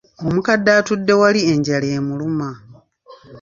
Omukadde atudde wali enjala emuluma.